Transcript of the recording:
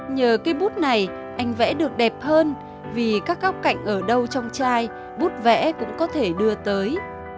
nhờ cây bút này anh vẽ được đẹp hơn vì các góc cạnh ở đâu trong chai bút vẽ cũng có thể đưa tới